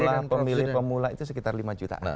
jumlah pemilih pemula itu sekitar lima jutaan